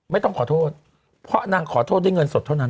ไม่ต้องขอโทษเพราะนางขอโทษด้วยเงินสดเท่านั้น